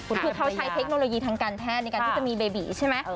คือเขาใช้เทคโนโลยีทางการแพทย์ในการที่จะมีเบบีใช่ไหม